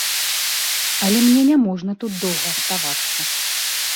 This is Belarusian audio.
Але мне няможна тут доўга аставацца.